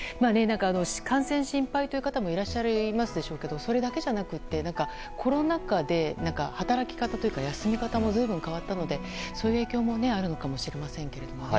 感染心配という方もいらっしゃるでしょうけどそれだけじゃなくてコロナ禍で働き方や休み方もずいぶん変わったのでそういう影響もあるのかもしれませんけどね。